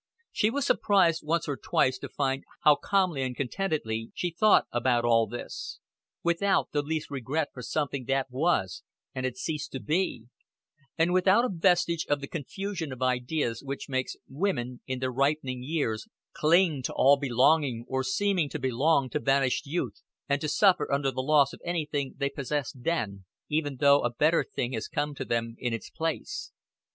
She was surprised once or twice to find how calmly and contentedly she thought about all this; without the least regret for something that was and had ceased to be; and without a vestige of the confusion of ideas which makes women in their ripening years cling to all belonging or seeming to belong to vanished youth, and to suffer under the loss of anything they possessed then, even though a better thing has come to them in its place.